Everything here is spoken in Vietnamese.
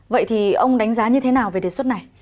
vậy thì ông đánh giá như thế nào về đề xuất này